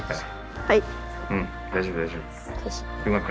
はい。